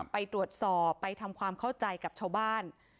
ไปตรวจสอบไปทำความเข้าใจกับชาวบ้าน